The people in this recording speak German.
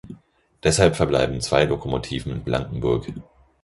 Deshalb verbleiben zwei Lokomotiven in Blankenburg.